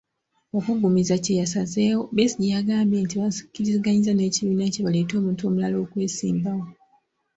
Okuggumiza kye yasazzeewo, Besigye yagambye nti, bakkiriziganyizza n’ekibiina kye baleete omuntu omulala okwesimbawo.